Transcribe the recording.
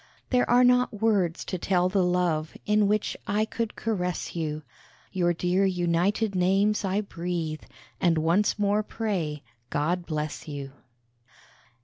There are not words to tell the love In which I could caress you; Your dear united names I breathe, And once more pray, God bless you.